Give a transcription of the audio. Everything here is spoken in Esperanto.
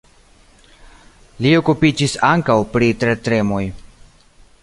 Li okupiĝis ankaŭ pri tertremoj.